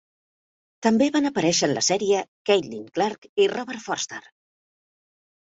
També van aparèixer en la sèrie Caitlin Clarke i Robert Forster.